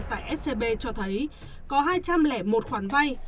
tại scb cho thấy có hai trăm linh một khoản vay